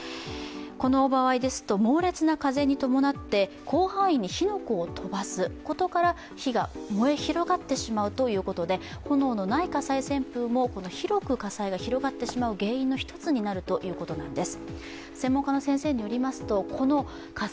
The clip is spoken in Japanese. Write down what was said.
この場合ですと猛烈な風に伴って広範囲に火の粉を飛ばすことから火が燃え広がってしまうということで炎のない火災旋風も広く火災が広がってしまう原因の一つになるということなんです。